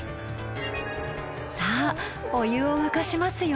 さあお湯を沸かしますよ。